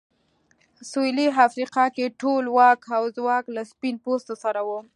سوېلي افریقا کې ټول واک او ځواک له سپین پوستو سره و.